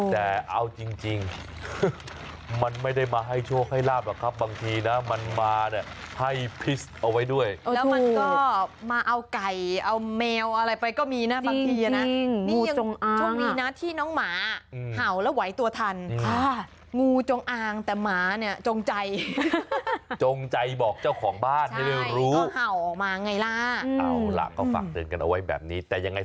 แต่เอาจริงมันไม่ได้มาให้โชคให้ลาบหรอกครับบางทีนะมันมาเนี่ยให้พิษเอาไว้ด้วยแล้วมันก็มาเอาไก่เอาแมวอะไรไปก็มีนะบางทีนะนี่โชคดีนะที่น้องหมาเห่าแล้วไหวตัวทันงูจงอางแต่หมาเนี่ยจงใจจงใจบอกเจ้าของบ้านให้ได้รู้ว่าเห่าออกมาไงล่ะเอาล่ะก็ฝากเตือนกันเอาไว้แบบนี้แต่ยังไง